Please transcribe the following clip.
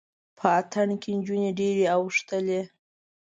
په اتڼ کې جونې ډیرې اوښتلې